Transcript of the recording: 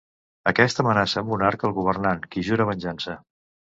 Aquest amenaça amb un arc el governant, qui jura venjança.